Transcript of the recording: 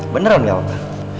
bener om gak apa apa